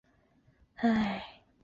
碑迁址村南马地。